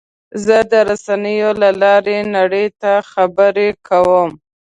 زه د رسنیو له لارې نړۍ ته خبرې کوم.